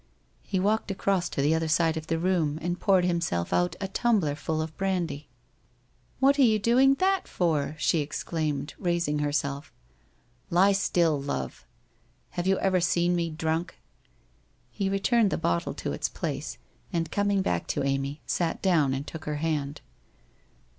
../ He walked across to the other side of the room and poured himself out a tumbler full of brandy. ' What are you doing that for ?' she exclaimed, raising herself. ' Lie still, Love !... Have you ever seen me drunk ?' He returned the bottle to its place, and coming back to Amy, sat down and took her hand.